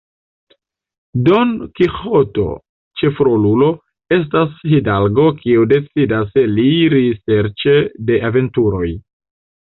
Don Kiĥoto, ĉefrolulo, estas hidalgo kiu decidas eliri serĉe de aventuroj.